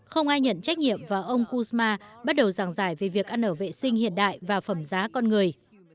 không ai nhận trách nhiệm và ông kuzma bắt đầu giảng giải về việc ăn ở vệ sinh hiện đại và phẩm giá con người